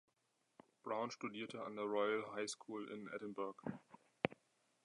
Brown studierte an der Royal High School in Edinburgh.